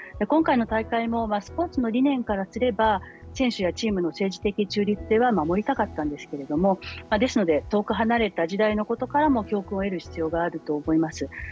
今回の大会もスポーツの理念からすれば選手やチームの中立は守りたかったんですけれどもですので、遠く離れた時代のことからも教訓を得る必要があると思います。